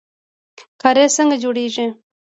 کاریز څنګه جوړیږي؟